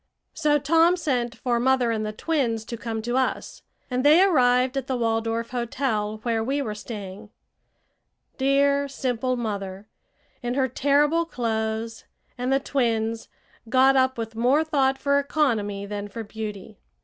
So Tom sent for mother and the twins to come to us, and they arrived at the Waldorf Hotel, where we were staying. Dear, simple mother, in her terrible clothes, and the twins, got up with more thought for economy than for beauty!